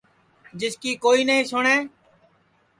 جس کی کوئی نائی سُٹؔے